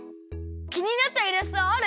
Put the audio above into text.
きになったイラストある？